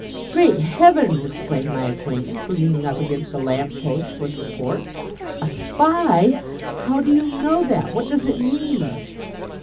"Great heavens!" exclaimed my acquaintance, leaning up against a lamp post for support. "A Spy! How do you know that? What does it mean?"